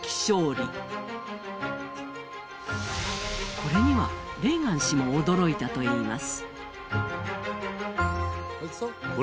これには、レーガン氏も驚いたといいます。